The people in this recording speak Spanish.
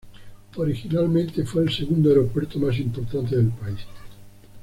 Originalmente fue el segundo aeropuerto más importante del país.